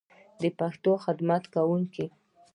د پښتو خدمت کوونکی